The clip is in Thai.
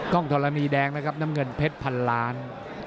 ้องธรณีแดงนะครับน้ำเงินเพชรพันล้าน